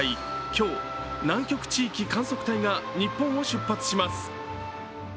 今日、南極地域観測隊が日本を出発します。